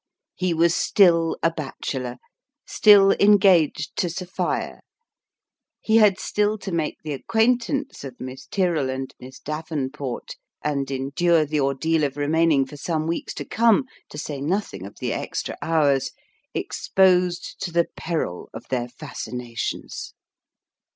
He was still a bachelor ; still engaged to Sophia : he had still to make the acquaintance of Miss Tyrrell and Miss Dav enport, and endure the ordeal of remaining for some weeks to come to say nothing of the extra hours exposed to the peril of their fas cinations